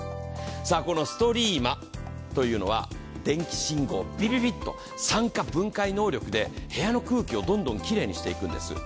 このストリーマというのは、電気信号をビビビッと、酸化分解能力で部屋の空気をどんどんきれいにしていくんです。